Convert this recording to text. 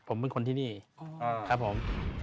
ผมเป็นคนที่นี่ครับผม